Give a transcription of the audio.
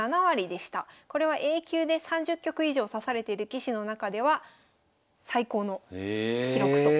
これはＡ級で３０局以上指されてる棋士の中では最高の記録と。